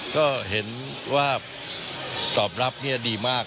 ก็เห็นว่าตอบรับดีมาก